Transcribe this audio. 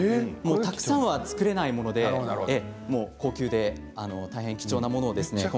たくさんは作れないもので高級で大変貴重なものです。